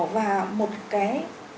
và một cái